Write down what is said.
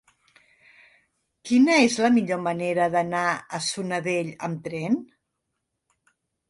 Quina és la millor manera d'anar a Sudanell amb tren?